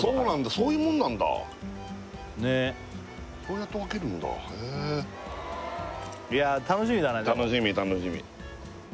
そういうもんなんだねっそうやって分けるんだへえや楽しみだねでも楽しみ楽しみ